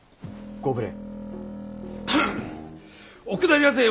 ご無礼。